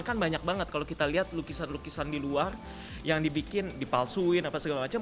kan banyak banget kalau kita lihat lukisan lukisan di luar yang dibikin dipalsuin apa segala macam